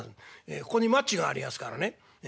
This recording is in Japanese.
ええここにマッチがありやすからね。